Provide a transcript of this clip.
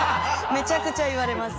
めちゃくちゃ言われます。